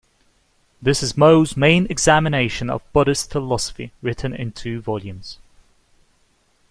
This is Mou's main examination of Buddhist philosophy, written in two volumes.